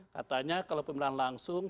katanya kalau pemilihan langsung